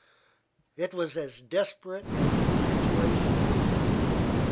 It was as desperate as the situation itself.